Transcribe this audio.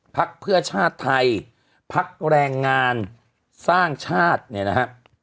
พักเพื่อชาติไทยพักแรงงานสร้างชาติเนี่ยนะฮะ